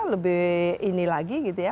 lebih ini lagi gitu ya